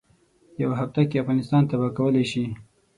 یوه هفته کې افغانستان تباه کولای شي.